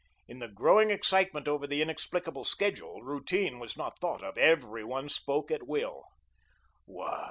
In the growing excitement over the inexplicable schedule, routine was not thought of. Every one spoke at will.